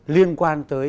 liên quan tới